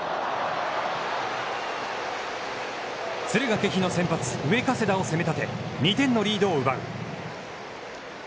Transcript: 敦賀気比の先発、上加世田を攻めたて、２点のリードを奪う。